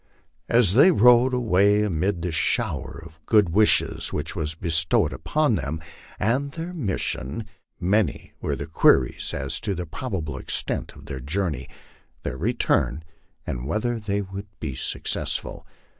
As they rode away amid the shower of good wishes which was bestowed upon them and their mission, many were the queries as to the probable extent of their journey, their return, and whether they would be successful.